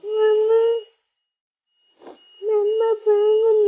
mama mama pengen ma